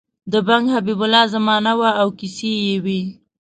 د بنګ حبیب الله زمانه وه او کیسې یې وې.